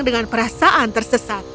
dengan perasaan tersesat